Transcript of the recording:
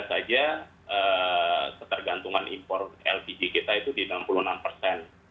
dua ribu lima belas saja ketergantungan import lpg kita itu di enam puluh enam persen